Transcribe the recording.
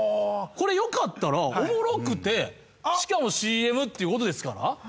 これよかったらおもろくてしかもＣＭっていうことですから。